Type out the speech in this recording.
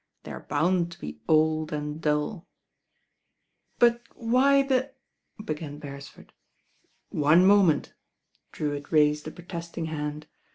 They are bound to be old and dull." •'But why the " began Beresford. ueP'i^ moment," Drewitt raised a protesting hand.